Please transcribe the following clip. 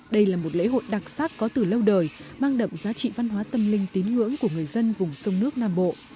đây là một lễ hội đặc sắc có từ lâu đời mang đậm giá trị văn hóa tâm linh tín ngưỡng của người dân vùng sông nước nam bộ